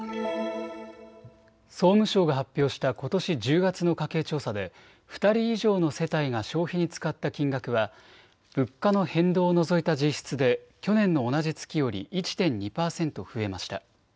総務省が発表したことし１０月の家計調査で２人以上の世帯が消費に使った金額は物価の変動を除いた実質で去年の同じ月より１．２％増えました。